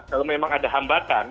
kalau memang ada hambatan